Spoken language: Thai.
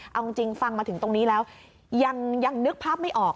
เอาจริงฟังมาถึงตรงนี้แล้วยังนึกภาพไม่ออก